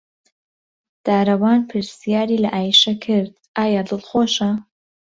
دارەوان پرسیاری لە عایشە کرد ئایا دڵخۆشە.